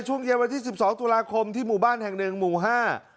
ช่วงเย็นวันที่สิบสองตุลาคมที่หมู่บ้านแห่งหนึ่งหมู่ห้า